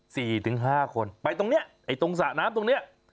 สี่ถึงห้าคนไปตรงนี้ตรงสะน้ำตรงนี้